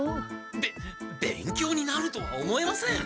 べっ勉強になるとは思えません。